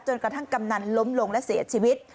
กระทั่งกำนันล้มลงและเสียชีวิต